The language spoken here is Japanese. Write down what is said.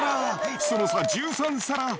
その差１３皿。